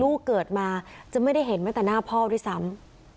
ลูกเกิดมาจะไม่ได้เห็นไหมแต่หน้าพ่อด้วยซ้ำ